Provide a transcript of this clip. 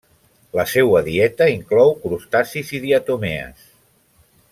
La seua dieta inclou crustacis i diatomees.